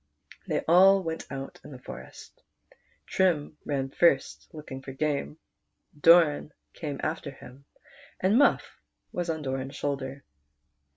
.They all went out in the forest. Trim ran first looking for game, Doran came after him, and Muff was on Doran's shoulder.